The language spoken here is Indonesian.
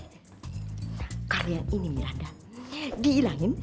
nah karya ini miranda dihilangin